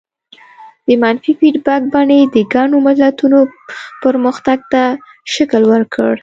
د منفي فیډبک بڼې د ګڼو ملتونو پرمختګ ته شکل ورکړ.